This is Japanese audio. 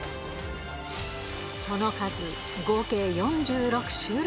その数、合計４６種類。